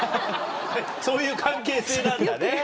そういう関係性なんだね。